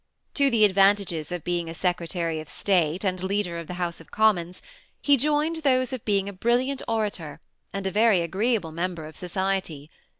To the advantages of being a Secretary of State and leader of the House of Commons, he joined those of being a brilliant orator and a very agreeable mem ber of society.